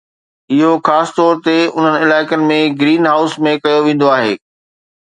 اهو خاص طور تي انهن علائقن ۾ گرين هائوس ۾ ڪيو ويندو آهي